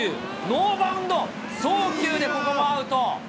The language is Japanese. ノーバウンド送球でここもアウト。